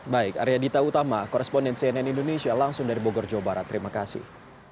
baik arya dita utama koresponden cnn indonesia langsung dari bogor jawa barat terima kasih